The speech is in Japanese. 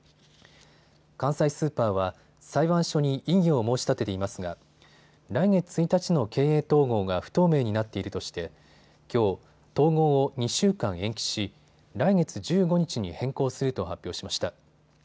関西スーパーは裁判所に異議を申し立てていますが来月１日の経営統合が不透明になっているとしてきょう、統合を２週間延期し来月１５日に変更すると発表しました。